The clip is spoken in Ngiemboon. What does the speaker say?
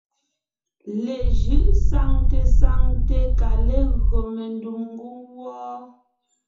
Lejʉ̌ʼ saŋte saŋte kà légÿo mendùm ngwóŋ wɔ́ɔ.